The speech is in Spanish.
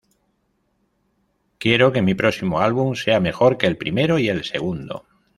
Quiero que mi próximo álbum sea mejor que el primero y el segundo.